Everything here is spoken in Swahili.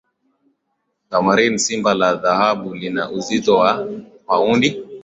Tamarin simba la dhahabu lina uzito wa paundi